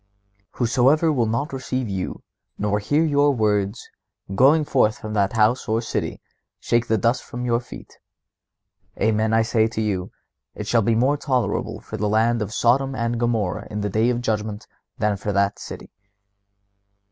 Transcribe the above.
"Whosoever will not receive you, nor hear your words, going forth from that house or city, shake the dust from your feet. Amen, I say to you, it shall be more tolerable for the land of Sodom and Gomorrha in the day of judgment than for that city."